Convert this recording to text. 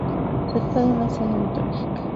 Se trata de una escena mitológica.